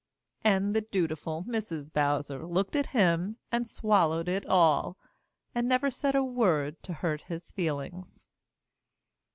And the dutiful Mrs. Bowser looked at him and swallowed it all and never said a word to hurt his feelings.